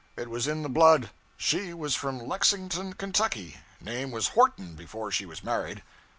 It was in the blood. She was from Lexington, Kentucky. Name was Horton before she was married.'